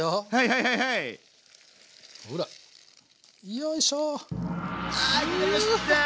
よいしょ！